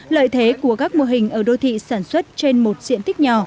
lợi thế của các mô hình ở đô thị sản xuất trên một diện tích nhỏ